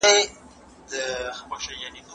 ايا د دولت توان په هر ځای کې يو شان دی؟